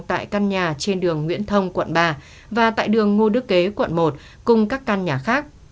tại căn nhà trên đường nguyễn thông quận ba và tại đường ngô đức kế quận một cùng các căn nhà khác